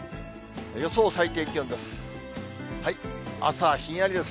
予想最低気温です。